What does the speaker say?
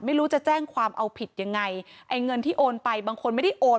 ไม่รู้จะแจ้งความเอาผิดยังไงไอ้เงินที่โอนไปบางคนไม่ได้โอน